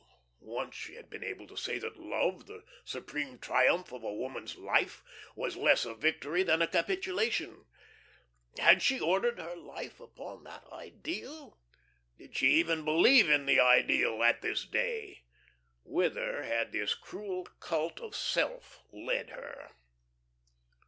Oh, once she had been able to say that love, the supreme triumph of a woman's life, was less a victory than a capitulation. Had she ordered her life upon that ideal? Did she even believe in the ideal at this day? Whither had this cruel cult of self led her?